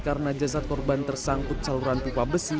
karena jasad korban tersangkut saluran pipa besi